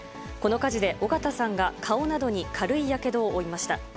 この火事で緒方さんが顔などに軽いやけどを負いました。